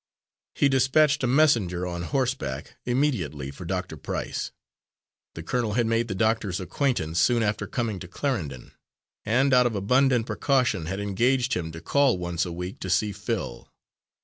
He despatched a messenger on horseback immediately for Dr. Price. The colonel had made the doctor's acquaintance soon after coming to Clarendon, and out of abundant precaution, had engaged him to call once a week to see Phil.